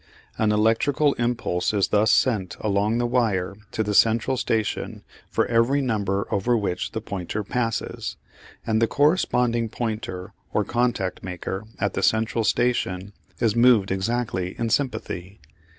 An electrical impulse is thus sent along the wire to the central station for every number over which the pointer passes, and the corresponding pointer or contact maker at the central station is moved exactly in sympathy.